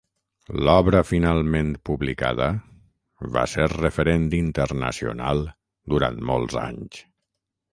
L'obra finalment publicada va ser referent internacional durant molts anys.